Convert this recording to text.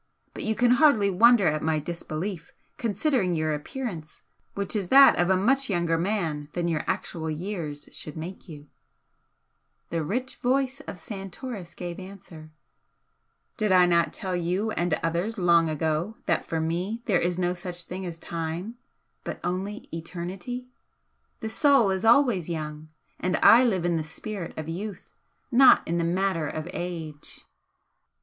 But you can hardly wonder at my disbelief, considering your appearance, which is that of a much younger man than your actual years should make you." The rich voice of Santoris gave answer. "Did I not tell you and others long ago that for me there is no such thing as time, but only eternity? The soul is always young, and I live in the Spirit of youth, not in the Matter of age."